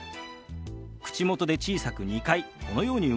口元で小さく２回このように動かします。